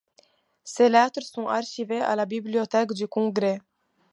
Ses lettres sont archivées à la Bibliothèque du Congrès.